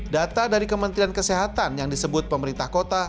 data dari kementerian kesehatan yang disebut pemerintah kota